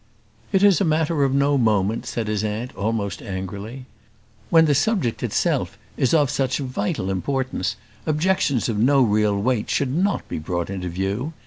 "It is a matter of no moment," said his aunt, almost angrily. "When the subject itself is of such vital importance, objections of no real weight should not be brought into view.